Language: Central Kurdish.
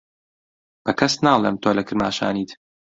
بە کەس ناڵێم تۆ لە کرماشانیت.